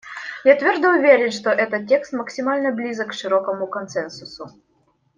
Я твердо уверен, что этот текст максимально близок к широкому консенсусу.